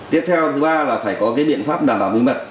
tiếp theo thứ ba là phải có cái biện pháp đảm bảo bí mật